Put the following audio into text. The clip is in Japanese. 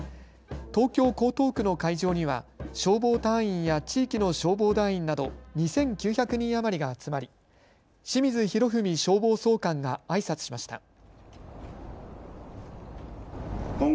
東京江東区の会場には消防隊員や地域の消防団員など２９００人余りが集まり清水洋文消防総監があいさつしました。